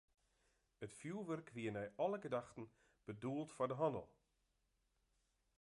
It fjoerwurk wie nei alle gedachten bedoeld foar de hannel.